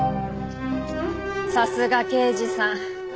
さすが刑事さん。